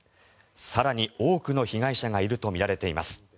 更に多くの被害者がいるとみられています。